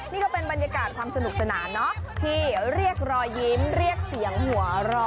นี่ก็เป็นบรรยากาศความสนุกสนานเนอะที่เรียกรอยยิ้มเรียกเสียงหัวเราะ